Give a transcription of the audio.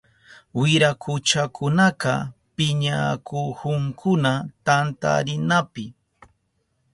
Wirakuchakunaka piñanakuhunkuna tantarinapi.